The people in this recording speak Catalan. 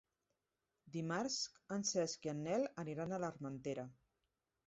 Dimarts en Cesc i en Nel aniran a l'Armentera.